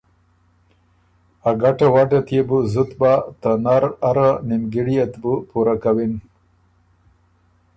ا ګټه وټۀ ت يې بو زُت بَۀ۔ ته نر اره نیمګِړيې ت بُو پُورۀ کوِن۔